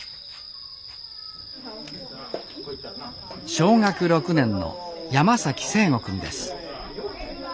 小学６年の山崎誠心くんです